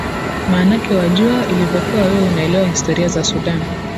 maanake wajua ilivyokuwa wewe unaelewa historia za sudan